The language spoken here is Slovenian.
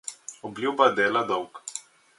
Obljuba dela dolg.